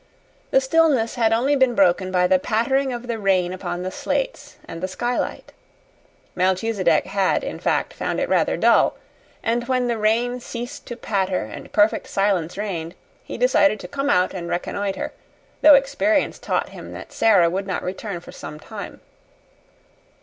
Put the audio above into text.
The stillness had only been broken by the pattering of the rain upon the slates and the skylight. Melchisedec had, in fact, found it rather dull; and when the rain ceased to patter and perfect silence reigned, he decided to come out and reconnoiter, though experience taught him that Sara would not return for some time.